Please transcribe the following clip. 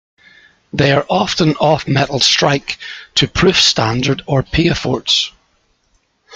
They are often off-metal strike, to proof standard or piedforts.